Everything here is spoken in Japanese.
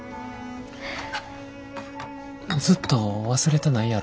ずっと忘れたないやろ。